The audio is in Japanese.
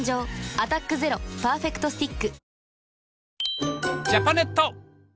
「アタックＺＥＲＯパーフェクトスティック」